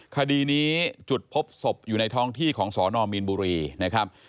คดีนี้จุดพบศพอยู่ในท้องที่ของสนมีนบุรีนะครับ